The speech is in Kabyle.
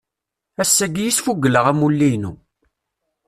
Ass-agi i sfugleɣ amulli-inu.